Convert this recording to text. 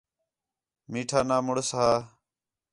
میٹھا ناں مُݨس ہا